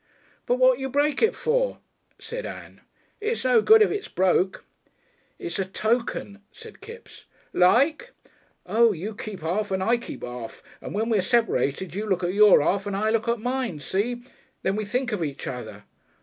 "But what you break it for?" said Ann. "It's no good if it's broke." "It's a Token," said Kipps. "Like...?" "Oh, you keep half and I keep half, and when we're sep'rated you look at your half and I look at mine see! Then we think of each other."